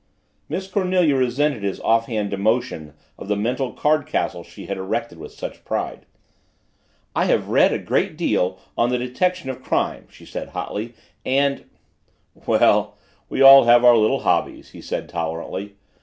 Miss Cornelia resented his offhand demolition of the mental card castle she had erected with such pride. "I have read a great deal on the detection of crime," she said hotly, "and " "Well, we all have our little hobbies," he said tolerantly.